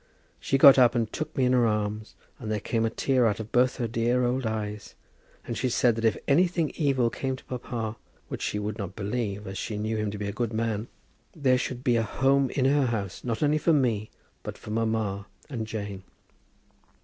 She got up and took me in her arms, and there came a tear out of both her dear old eyes, and she said that if anything evil came to papa, which she would not believe, as she knew him to be a good man, there should be a home in her house not only for me, but for mamma and Jane.